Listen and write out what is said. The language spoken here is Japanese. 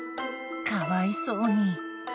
かわいそうに。